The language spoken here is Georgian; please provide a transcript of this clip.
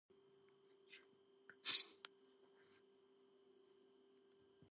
მოზამბიკში გადაიცემა პორტუგალიური და ბრაზილიური სატელევიზიო არხები.